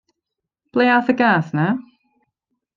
Ble a'th y gath 'na?